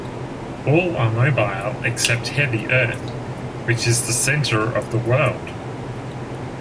All are mobile except heavy earth which is the center of the world.